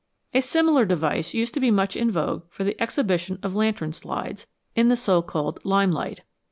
A similar device used to be much in vogue for the exhibition of lantern slides in the so called lime light.